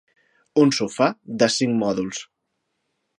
Un sofà de cinc mòduls.